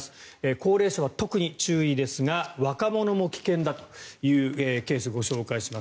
高齢者は特に注意ですが若者も危険だというケースご紹介します。